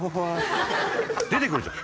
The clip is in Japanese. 出てくるじゃん。